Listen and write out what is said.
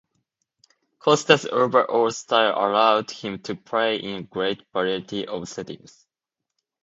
Costa's overall style allowed him to play in a great variety of settings.